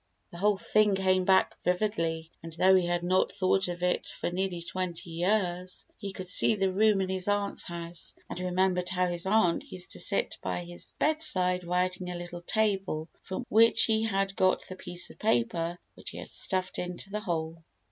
The whole thing came back vividly and, though he had not thought of it for nearly twenty years, he could see the room in his aunt's house and remembered how his aunt use to sit by his bedside writing at a little table from which he had got the piece of paper which he had stuffed into the hole.